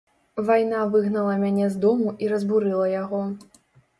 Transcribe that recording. Вайна выгнала мяне з дому і разбурыла яго.